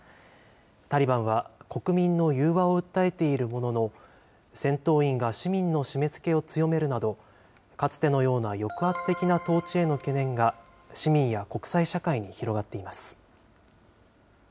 タリバンは、国民の融和を訴えているものの、戦闘員が市民の締めつけを強めるなど、かつてのような抑圧的な統治への懸念が、市民や国際社会に広がっています。